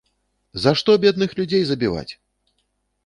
За што бедных людзей забіваць?